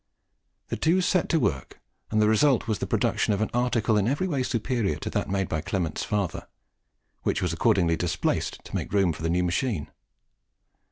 The two set to work, and the result was the production of an article in every way superior to that made by Clement's father, which was accordingly displaced to make room for the new machine.